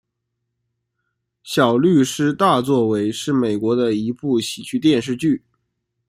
小律师大作为是美国的一部喜剧电视剧。